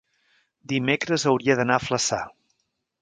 dimecres hauria d'anar a Flaçà.